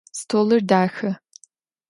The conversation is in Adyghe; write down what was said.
Stolır daxe.